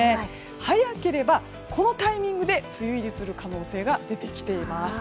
早ければ、このタイミングで梅雨入りする可能性が出てきています。